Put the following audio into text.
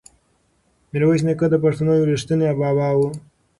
میرویس نیکه د پښتنو یو ریښتونی بابا و.